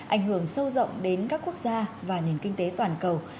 ảnh hưởng sâu rộng đến các quốc gia và nền kinh tế toàn cầu